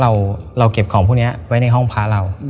เราเก็บของพวกนี้ไว้ในห้องพระเรา